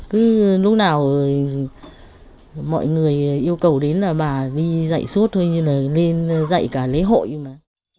cứ lúc nào mọi người yêu cầu đến là bà đi dạy suốt thôi như là nên dạy cả lễ hội mà